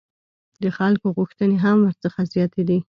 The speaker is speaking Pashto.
د خلکو غوښتنې هم ورڅخه زیاتې دي.